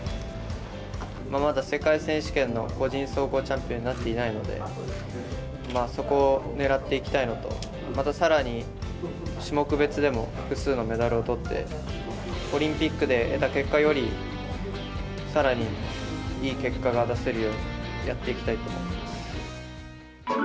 まだ世界選手権の個人総合のチャンピオンになっていないので、そこをねらっていきたいのと、またさらに種目別でも複数のメダルをとって、オリンピックで得た結果より、さらにいい結果が出せるようにやっていきたいと思ってます。